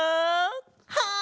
はい！